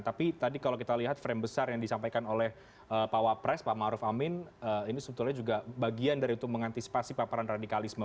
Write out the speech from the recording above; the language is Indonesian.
tapi tadi kalau kita lihat frame besar yang disampaikan oleh pak wapres pak maruf amin ini sebetulnya juga bagian dari untuk mengantisipasi paparan radikalisme